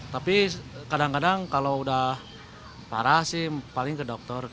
tapi kadang kadang kalau udah parah sih paling ke dokter